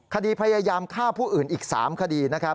คดีพยายามฆ่าผู้อื่นอีก๓คดี